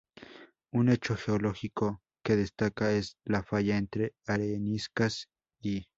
Un hecho geológico que destaca es la falla entre areniscas y.